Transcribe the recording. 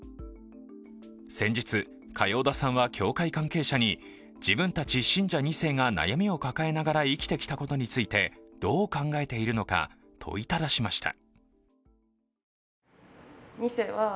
先日、嘉陽田さんは教会関係者に自分たち信者２世が悩みを抱えながら生きてきたことについてどう考えているのか、問いただしました。